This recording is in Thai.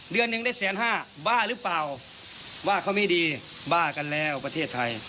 เดือนหนึ่งได้แสนห้าบ้าหรือเปล่าว่าเขาไม่ดีบ้ากันแล้วประเทศไทย